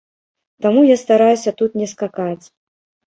Таму я стараюся тут не скакаць.